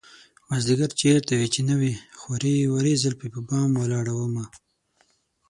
مازديگر چېرته وې چې نه وې خورې ورې زلفې په بام ولاړه ومه